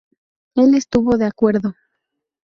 Él estuvo de acuerdo.